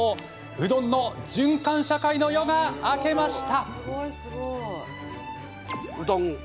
うどんの循環社会の夜が明けました。